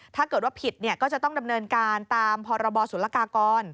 ถ้าเกิดว่าผิดก็จะต้องดำเนินการตามพรบศุลกากร